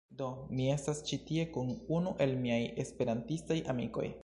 Do, mi estas ĉi tie kun unu el miaj esperantistaj amikoj